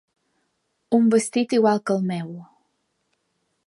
Un vestit igual que el meu.